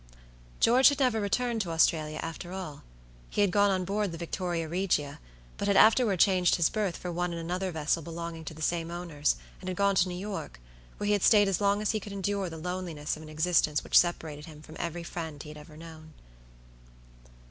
George had never returned to Australia after all. He had gone on board the Victoria Regia, but had afterward changed his berth for one in another vessel belonging to the same owners, and had gone to New York, where he had stayed as long as he could endure the loneliness of an existence which separated him from every friend he had ever known.